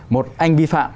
một anh vi phạm